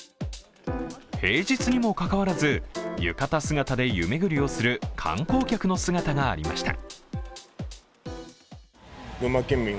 平日にもかかわらず、浴衣姿で湯巡りをする観光客の姿がありました。